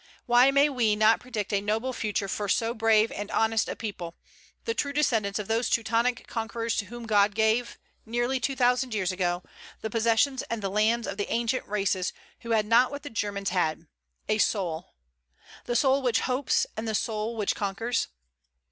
Why may we not predict a noble future for so brave and honest a people, the true descendants of those Teutonic conquerers to whom God gave, nearly two thousand years ago, the possessions and the lands of the ancient races who had not what the Germans had, a soul; the soul which hopes, and the soul which conquers?